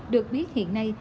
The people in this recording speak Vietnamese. được biết hiện nay